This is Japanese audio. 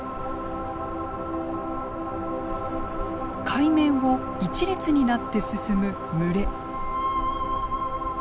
海面を一列になって進む群れ。